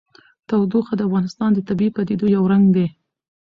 تودوخه د افغانستان د طبیعي پدیدو یو رنګ دی.